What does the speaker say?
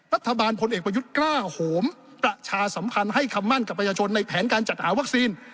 พลเอกประยุทธ์กล้าโหมประชาสัมพันธ์ให้คำมั่นกับประชาชนในแผนการจัดหาวัคซีน